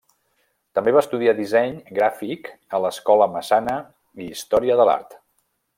També va estudiar disseny gràfic a l'Escola Massana i història de l'art.